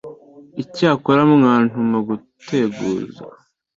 Icyakora mwantuma guteguza,